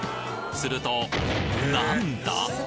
するとなんだ！？